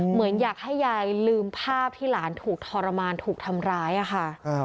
เหมือนอยากให้ยายลืมภาพที่หลานถูกทรมานถูกทำร้ายค่ะ